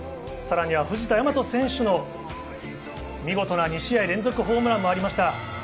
藤田倭選手の見事な２試合連続ホームランもありました。